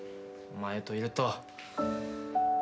お前といると。